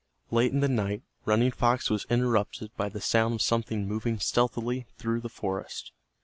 Late in the night Running Fox was interrupted by the sound of something moving stealthily through the forest.